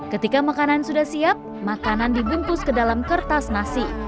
ketika makanan sudah siap makanan dibungkus ke dalam kertas nasi